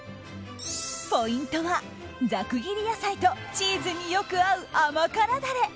ポイントは、ざく切り野菜とチーズによく合う甘辛ダレ。